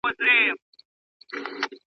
زه له سهاره موبایل کاروم!.